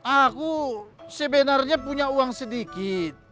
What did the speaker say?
aku sebenarnya punya uang sedikit